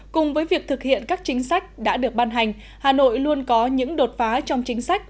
cùng với việc thực hiện các chính sách đã được ban hành hà nội luôn có những đột phá trong chính sách